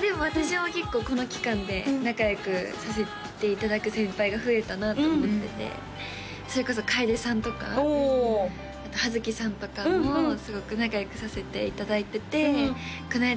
でも私も結構この期間で仲良くさせていただく先輩が増えたなと思っててそれこそ楓さんとかおおあと葉月さんとかもすごく仲良くさせていただいててこないだ